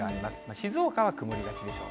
静岡は曇りがちでしょう。